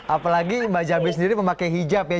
apalagi mbak jambi sendiri memakai hijab ya